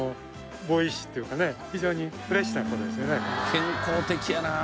健康的やなあ。